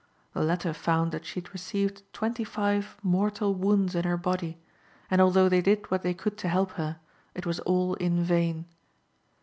The latter found that she had received twenty five mortal wounds in her body, and although they did what they could to help her, it was all in vain.